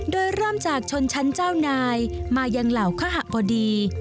โดยเริ่มจากชนชั้นเจ้านายมายังเหล่าคหะพอดี